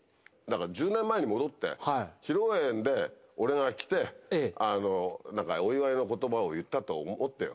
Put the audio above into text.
１０年前に戻って披露宴で俺が来てお祝いの言葉を言ったと思ってよ。